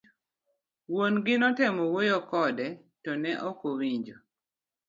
Wuon gi notemo wuoyo kode ,to ne ok owinjo.